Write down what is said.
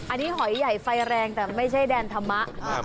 อันนี้หอยใหญ่ไฟแรงแต่ไม่ใช่แดนธรรมะ